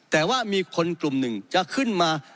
แต่ว่ามีคนกลุ่มหนึ่งจะขึ้นมา